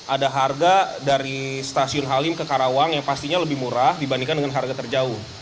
ada harga dari stasiun halim ke karawang yang pastinya lebih murah dibandingkan dengan harga terjauh